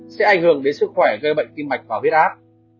sẽ ảnh hưởng đến sức khỏe gây bệnh tim mạch và huyết áp